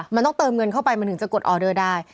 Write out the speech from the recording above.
มันต้องเติมเงินเข้าไปมันถึงจะกดออเดอร์ได้